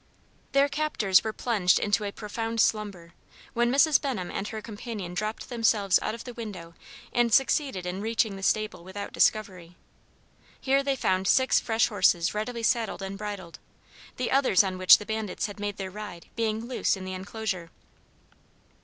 Their captors were plunged in a profound slumber, when Mrs. Benham and her companion dropped themselves out of the window and succeeded in reaching the stable without discovery. Here they found six fresh horses ready saddled and bridled, the others on which the bandits had made their raid being loose in the enclosure.